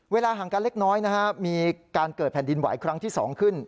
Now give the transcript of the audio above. ห่างกันเล็กน้อยนะฮะมีการเกิดแผ่นดินไหวครั้งที่๒ขึ้น